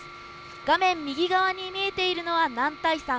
画面右側に見えているのは男体山。